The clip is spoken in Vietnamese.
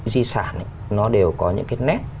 di sản nó đều có những cái nét